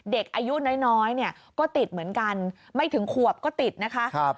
เด็กอายุน้อยเนี่ยก็ติดเหมือนกันไม่ถึงขวบก็ติดนะคะ